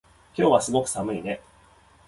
今日はすごく寒いね